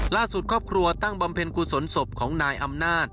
ล่าสุดครอบครัวตั้งบำเพ็ญกุศลศพของนายอำนาจ